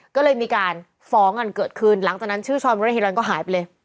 ก็เลยมีการฟ้องกันเกิดขึ้นหลังจากนั้นชื่อชอนเรฮิรันก็หายไปเลย